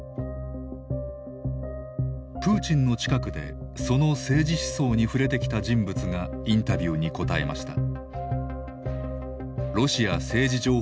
プーチンの近くでその政治思想に触れてきた人物がインタビューにこたえました。